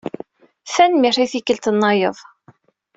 Tanemmirt i tikkelt-nnayeḍ.